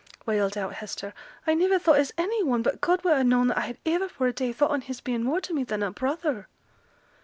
wailed out Hester; 'I niver thought as any one but God would ha' known that I had iver for a day thought on his being more to me than a brother.'